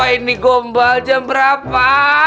jam berapa ini gombal jam berapa